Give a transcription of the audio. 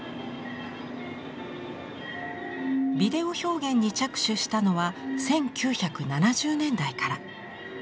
ビデオ表現に着手したのは１９７０年代から。